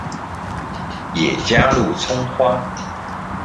也加入蔥花